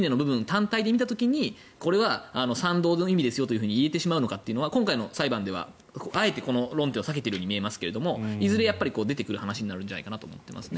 単体で見た時にこれは賛同の意味ですと言えてしまうのかというのは今回の裁判ではあえてこの論点を避けているように見えますがいずれ出てくる話になるんじゃないかと思います。